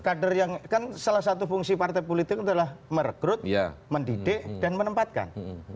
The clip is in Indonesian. kader yang kan salah satu fungsi partai politik adalah merekrut mendidik dan menempatkan